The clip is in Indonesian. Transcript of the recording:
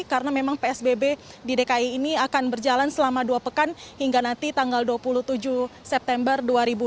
karena memang psbb di dki ini akan berjalan selama dua pekan hingga nanti tanggal dua puluh tujuh september dua ribu dua puluh